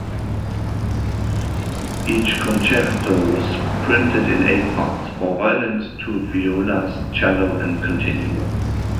Each concerto was printed in eight parts: four violins, two violas, cello and continuo.